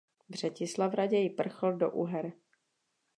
Břetislav raději prchl do Uher.